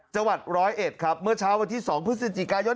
จังหวัดร้อยเอ็ดครับเมื่อเช้าวันที่๒พฤศจิกายน